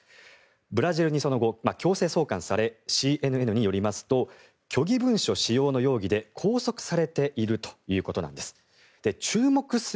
ブラジルにその後、強制送還されＣＮＮによりますと虚偽文書使用の容疑で拘束されているということなんです。